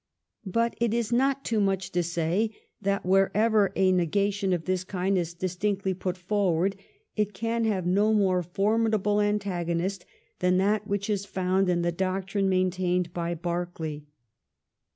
But it is not too much to say that wherever a negation of this kind is distinctly put forward it can have no more formidable antagonist than that which is found in the doctrine main tained by Berkeley.